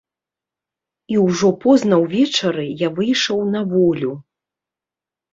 І ўжо позна ўвечары я выйшаў на волю.